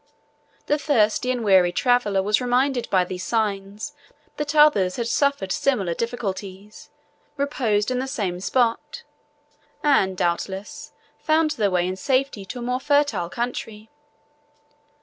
The thirsty and weary traveller was reminded by these signs that others had suffered similar difficulties, reposed in the same spot, and, doubtless, found their way in safety to a more fertile country.